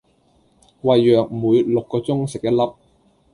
胃藥每六個鐘食一粒